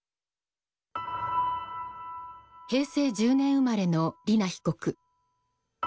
平成１０年生まれの莉菜被告。